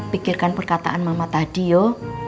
pikirkan perkataan mama tadi yuk